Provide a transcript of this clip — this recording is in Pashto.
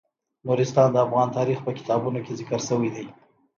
نورستان د افغان تاریخ په کتابونو کې ذکر شوی دي.